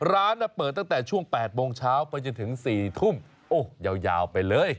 ร้านเปิดตั้งแต่ช่วง๘โมงเช้าไปจนถึง๔ทุ่มโอ้ยาวไปเลย